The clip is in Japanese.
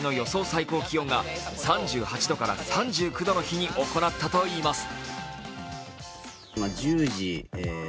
最高気温が３８度から３９度の日に行ったといいます。